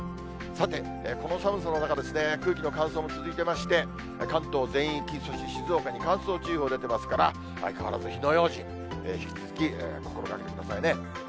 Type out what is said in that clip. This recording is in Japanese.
さて、この寒さの中、空気の乾燥も続いてまして、関東全域、そして、静岡に乾燥注意報が出てますから、相変わらず火の用心、引き続き心がけてくださいね。